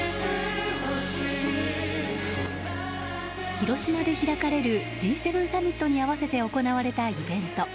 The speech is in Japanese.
広島で開かれるＧ７サミットに合わせて行われたイベント。